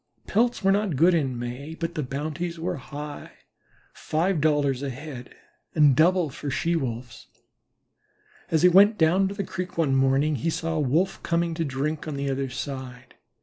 Pelts were not good in May, but the bounties were high, five dollars a head, and double for She wolves. As he went down to the creek one morning he saw a Wolf coming to drink on the other side.